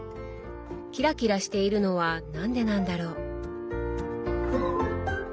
キラキラしているのは何でなんだろう？